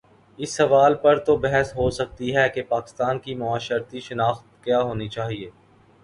اس سوال پر تو بحث ہو سکتی ہے کہ پاکستان کی معاشرتی شناخت کیا ہو نی چاہیے۔